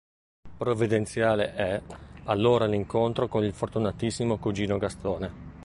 Provvidenziale è, allora, l'incontro con il fortunatissimo cugino Gastone.